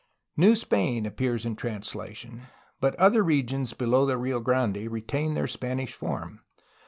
'^New Spain" appears in translation, but other regions be low the Rio Grande retain their Spanish form.